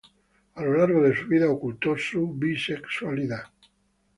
A lo largo de su vida ocultó su bisexualidad.